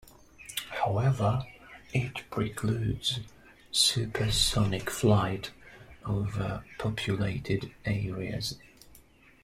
However, it precludes supersonic flight over populated areas.